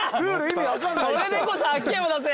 それでこそ秋山だぜ！